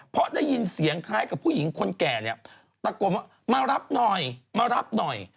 เพราะได้ยินเสียงคล้ายกับผู้หญิงคนแก่เนี่ยตะโกนว่ามารับหน่อยมารับหน่อย